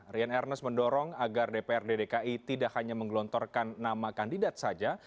rian ernest mendorong agar dprd dki tidak hanya menggelontorkan nama kandidat saja